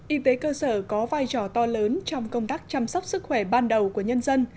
y tế cơ sở có vai trò to lớn trong công tác chăm sóc sức khỏe ban đầu của nhân dân